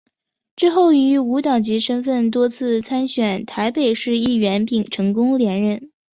之后以无党籍身分多次参选台北市议员并成功连任。